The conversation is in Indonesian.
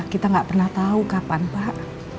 kita nggak pernah tahu kapan pak